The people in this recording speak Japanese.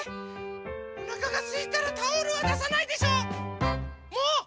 おなかがすいたらタオルはださないでしょ！もうっ！